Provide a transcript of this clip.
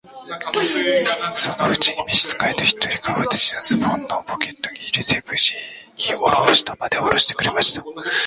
そのうちに召使の一人が、私をズボンのポケットに入れて、無事に下までおろしてくれました。